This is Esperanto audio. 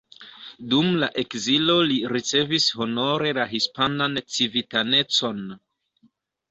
Dum la ekzilo li ricevis honore la hispanan civitanecon.